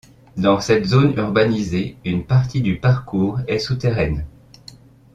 Dans cette zone urbanisée une partie du parcours est souterraine.